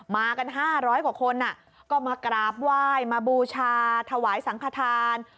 มากันห้าร้อยกว่าคนอ่ะก็มากราบไหว้มาบูชาถวายสังภาษณ์